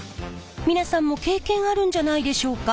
皆さんも経験あるんじゃないでしょうか。